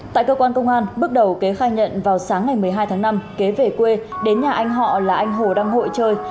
tại cơ quan công an bước đầu kế khai nhận vào sáng ngày một mươi hai tháng năm kế về quê đến nhà anh họ là anh hồ đăng hội chơi